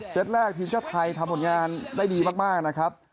แรกทีมชาติไทยทำผลงานได้ดีมากนะครับ